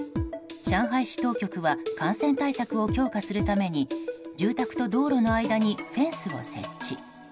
上海市当局は感染対策を強化するために住宅と道路の間にフェンスを設置。